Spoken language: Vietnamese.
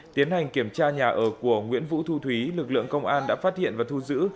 tiến hành kiểm tra nhà ở của nguyễn vũ thu thúy lực lượng công an đã phát hiện và thu giữ